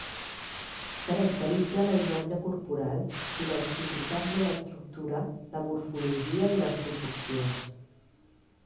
Caracteritza la imatge corporal identificant-ne l'estructura, la morfologia i les proporcions.